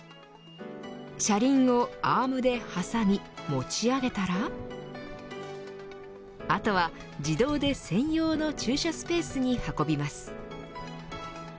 車輪をアームで挟み持ち上げたらあとは自動で専用の駐車スペースに運びます。